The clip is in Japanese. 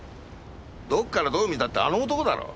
どっからどう見たってあの男だろ。